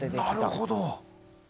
なるほど。